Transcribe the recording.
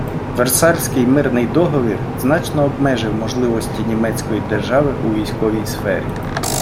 Версальський мирний договір значно обмежив можливості Німецької держави у військовій сфері.